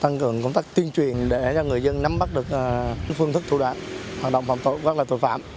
tăng cường công tác tuyên truyền để cho người dân nắm bắt được phương thức thủ đoạn hoạt động phòng chống các loại tội phạm